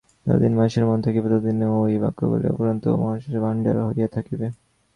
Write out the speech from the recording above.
যতদিন মানুষের মন থাকিবে, ততদিন ঐ বাক্যগুলি অফুরন্ত মহাশক্তির ভাণ্ডার হইয়া থাকিবে।